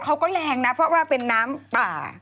แต่เขาลงเร็วเขาก็แหลงนะเพราะว่าเป็นน้ำป่า